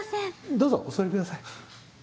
どうぞお座りください。